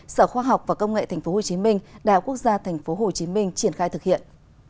sở khoa học và công nghệ tp hcm đạo quốc gia tp hcm triển khai thực hiện